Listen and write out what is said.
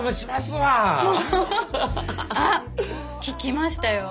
あっ聞きましたよ